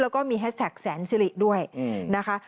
แล้วก็มีแฮชแท็กแสนสิริด้วยนะคะ